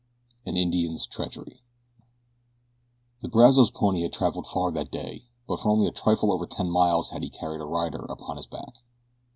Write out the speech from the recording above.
AN INDIAN'S TREACHERY THE Brazos pony had traveled far that day but for only a trifle over ten miles had he carried a rider upon his back.